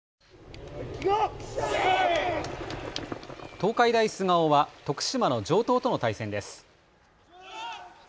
東海大菅生は徳島の城東との対戦です。